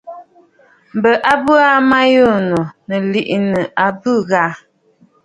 M̀bə a bə aa ma yû ànnù, nɨ̀ liꞌìnə̀ ɨ̀bɨ̂ ghâ.